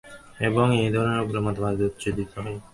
এবং এ ধরনের উগ্র মতবাদে উত্তেজিত হয়ে ওরা সহিংস হামলা চালায়।